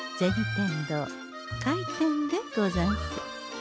天堂開店でござんす。